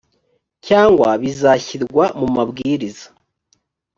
cyangwa bizashyirwa mu mabwiriza